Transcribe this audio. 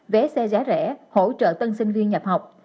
vé xe giá rẻ hỗ trợ tân sinh viên nhập học